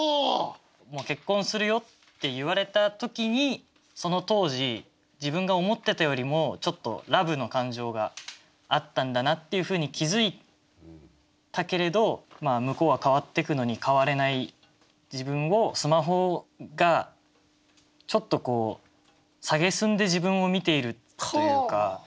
もう結婚するよって言われた時にその当時自分が思ってたよりもちょっとラブの感情があったんだなっていうふうに気付いたけれど向こうは変わってくのに変われない自分をスマホがちょっとこう蔑んで自分を見ているというか。